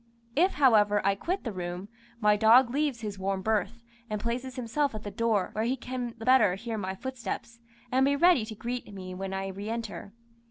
If, however, I quit the room, my dog leaves his warm berth, and places himself at the door, where he can the better hear my footsteps, and be ready to greet me when I re enter.